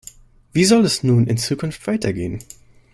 Wie soll es nun in Zukunft weitergehen?